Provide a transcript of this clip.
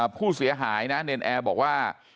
ผู้เสียหายนะเนรนแอร์บอกว่า